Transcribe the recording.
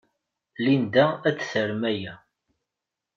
Linda ad tarem aya.